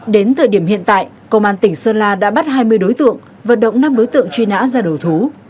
đến thời điểm hiện tại công an tỉnh sơn la đã bắt hai mươi đối tượng vận động năm đối tượng truy nã ra đầu thú